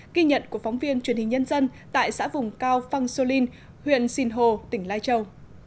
ghi nhận của phóng viên truyền hình nhân dân tại xã vùng cao phang solin huyện sinh hồ tỉnh lai châu